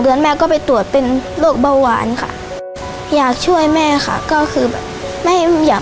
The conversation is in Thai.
เดือนแม่ก็ไปตรวจเป็นโรคเบาหวานค่ะอยากช่วยแม่ค่ะก็คือแบบไม่อยาก